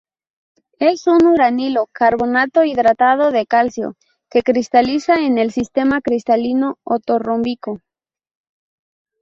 Es un uranilo-carbonato hidratado de calcio, que cristaliza en el sistema cristalino ortorrómbico.